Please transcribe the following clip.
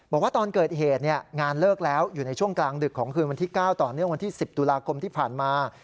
บอกว่าตอนเกิดเหตุงานเลิกแล้วอยู่ในช่วงกลางดึกของคืนวันที่๙ต่อเนื่องวันที่๑๐ตุลาคมที่ผ่านมา